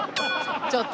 ちょっと。